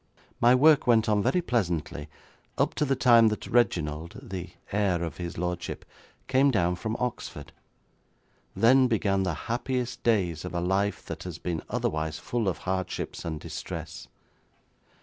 'My work went on very pleasantly up to the time that Reginald, the heir of his lordship, came down from Oxford. Then began the happiest days of a life that has been otherwise full of hardships and distress.